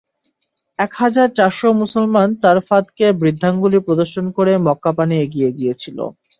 এক হাজার চারশ মুসলমান তার ফাঁদকে বৃদ্ধাঙ্গুলি প্রদর্শন করে মক্কাপানে এগিয়ে গিয়েছিল।